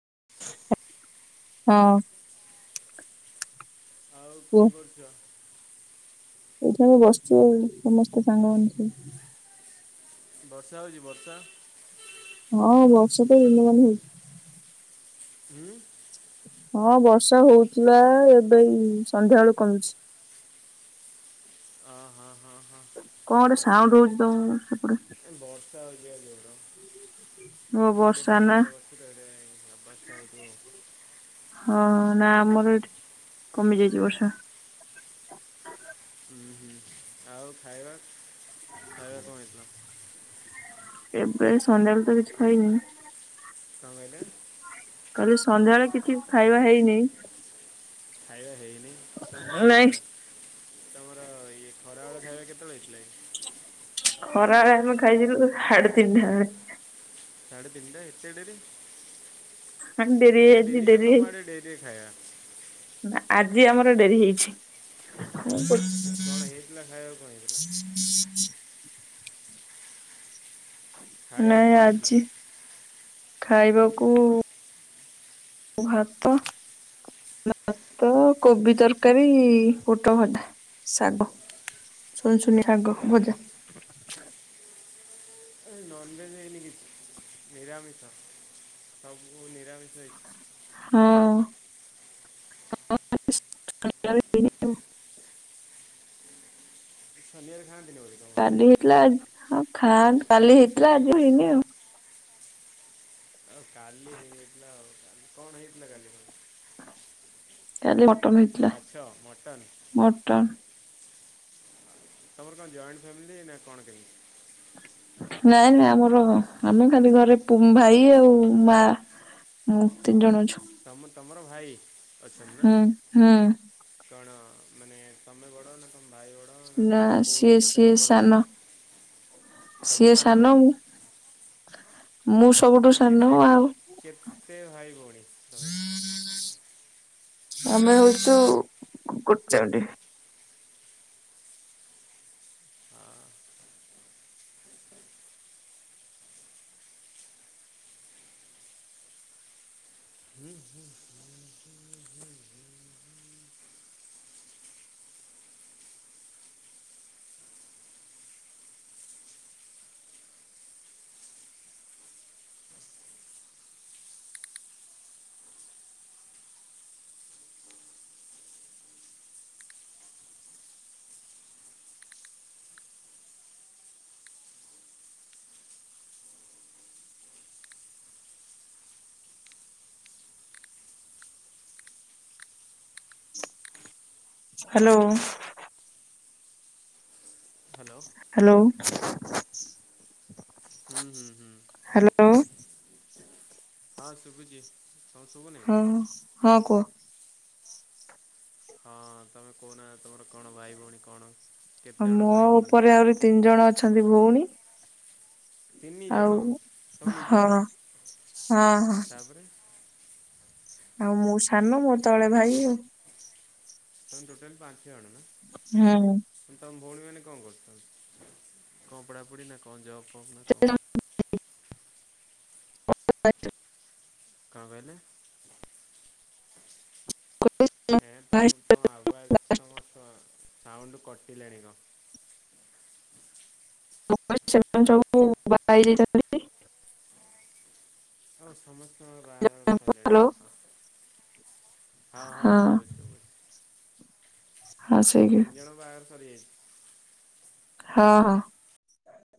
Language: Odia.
[inaudible] ହଁ। ଆଉ କୁହ କଣ କରୁଚ? ଏଇଠି ଆମେ ବସିଛୁ ଆଉ ସମସ୍ତେ ସାଙ୍ଗ ମାନେ ସବୁ। ବର୍ଷା ହଉଛି ବର୍ଷା? ହଁ ବର୍ଷା ତ ଦିନ ମାନ ହୋଉଛି। ଉଁ? ହଁ ବର୍ଷା ହଉଥିଲା ଏବେ ଏଇ ସନ୍ଧ୍ୟା ବେଳୁ କମିଛି। ଓ ହଁ ହଁ। ହଁ। କଣ ଗୋଟେ ସାଉଣ୍ଡ ରହୁଛି ତମ ସେପଟେ ବର୍ଷା ହୋଉଛି ପା ଯୋର ଓ ମୁଁ ଟିକେ ବର୍ଷା ନା ପଦାରେ ବସିଛି ତ ଆବାଜ ହୋଉଥିବ। ହଁ ନା ଆମର ଏଠି କମି ଯାଇଚି ବର୍ଷା। ହୁଁ ହୁଁ ଆଉ ଖାଇବା ଖାଇବା କଣ ହେଇଥିଲା? ଏବେ ସନ୍ଧ୍ୟାବେଳେ ତ କିଛି କଣ କହିଲେ? ଖାଇନି। କାଲି ସନ୍ଧ୍ୟାବେଳେ କିଛି ଖାଇବା ହେଇନି। ଖାଇବା ହେଇନି। ତ କା ନାଇଁ ତମର ଇଏ ଖରାବେଳ ଖାଇବା କେତେବେଳେ ହେଇଥିଲା କି? ଖରା ବେଳେ ଆମେ ଖାଇଥିଲୁ ସାଢେ ତିନିଟା ବେଳେ। ସାଢେ ତିନିଟା ଏତେ ଡେରି ମାନେ ଏତେ ହେଇଯାଇଛି ଡେରି ନା ତମ ଆଡେ ଡେରିରେ ଖାଇବା? ନା ଆଜି ଆମର ଡେରି ହେଇଛି ମୁଁ କଣ ହେଇଥିଲା ଖାଇବାକୁ କଣ ହେଇଥିଲା? ଖାଇବାକୁ ନାଇଁ କଣ ହେଇଥିଲା? ଆଜି ଖାଇବାକୁ ଭାତ। ଭାତ, କୋବି ତରକାରୀ, ଗୋଟ ଭଡା, ଶାଗ। ଶୁନୁ ଶୁନି ଶାଗ ଭଜା। ଏ ନନଭେଜ ହେଇନି କିଛି ନିରାମିଷ ସବୁ [unintelligible] [unintelligible] ଶନିବାର ଖାନ୍ତିନି ବୋଧେ? ତମ ଘରେ? କାଲି ହେଇଥିଲା ଆ ଖା କାଲି ହେଇଥିଲା ଆଜି ହେଇନି ଆଉ। ଆଉ କାଲି ହେଇଥିଲା ଆଉ କାଲି କଣ ହେଇଥିଲା କାଲି? କାଲି ମଟନ ହେଇଥିଲା ମାଛ ମଟନ୍ ମଟନ। ତମର କଣ ଯଏଣ୍ଟ ଫ୍ୟାମିଲୀ ନା କଣ କେମିତି? ନାଇଁ ନାଇଁ ଆମର ଆମେ ଖାଲି ଘରେ ଭାଇ ଆଉ ମା। ମୁଁ ତିନି ଜଣ ଅଛୁ। ତମ ତମର ଭାଇ? ଅଛନ୍ତି ନା? ହୁଁ ହୁଁ। କଣ ମାନେ ତମେ ବଡ ନା ତମେ ନା ସିଏ ସିଏ ତମେ? ସାନ। ସିଏ ସାନ ମୁଁ ମୁଁ ସବୁଠୁ ମାନେ ସାନ କେତେ ଆଉ କେତ କେତେ ଭାଇ ଭଉଣୀ ତମେ? ଆମେ ହଉଛୁ ଗୋଟେ ମିନିଟ୍? ହଁ [inaudible] ହାଲୋ। ହାଲୋ? [inaudible] ହୁଁ ହୁଁ ହୁଁ କହ ହ୍ୟାଲୋ କହ ହଁ ଶୁଭୁଛି। ତମକୁ ଶୁଭୁନି ହୁଁ ହୁଁ ହଁ କୁହ! ହଁ ତମେ କହୁନ ତମର କଣ ଭାଇ ଭଉଣୀ କଣ? କେତେ ଜଣ ମୋ ଭାଇ ଭଉଣୀ? ଉପରେ ଆହୁରି ତିନି ଜଣ ଅଛନ୍ତି ଭଉଣୀ ତିନି ଆଉ ଜଣ ତମ ହଁ ନିଜର ହଁ। ତାପରେ ଆଉ ମୁଁ ସାନ ମୋ ତଳେ ଭାଇ ଆଉ। ତମେ ଟୋଟଲି ପଞ୍ଚ ଜଣ? ହୁଁ। ଭଉଣୀ ମାନେ କଣ କରୁଛନ୍ତି କଣ ପଢ଼ା ପଢ଼ି ନ ଜାଣ ଜବ ଫବ୍ ନା କଣ [unintelligible] କନ୍ କହିଲେ? ଏ ତମ ତମ ଆଗୁଆ ତମ ସାଉଣ୍ଡ କ ଜାଣିନ ସେମାନେ ସବୁ ବା ହେଇଯାଇଛନ୍ତି। ଆଉ ସମସ୍ତଙ୍କ ବାହାଘରେ ସରିଲାଣି ହ୍ୟାଲୋ ଆ ହ ହଁ ହଁ ସୁଭୁଛି ସୁଭୁଛି ହଁ ସେଇ ତିନ ଜଣଙ୍କର ବାହାଘର ସାରିଯାଇଚି ହଁ ହଁ।